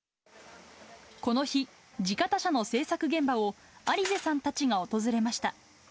この日、地方車の製作現場を、アリゼさんたちが訪れました。